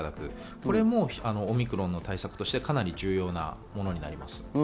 これもオミクロンの対策としてかなり重要なものになります。